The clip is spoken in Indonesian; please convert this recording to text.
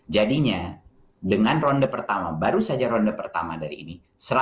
jadinya dengan ronde pertama baru saja ronde pertama dari ini